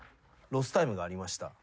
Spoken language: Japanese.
ロスタイムがありました